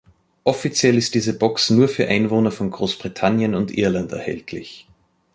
Offiziell ist diese Box nur für Einwohner von Großbritannien und Irland erhältlich.